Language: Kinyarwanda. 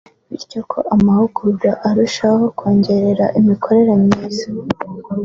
bityo ko amahugurwa arushaho kongera imikorere myiza